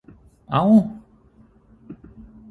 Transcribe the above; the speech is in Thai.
เอ๊า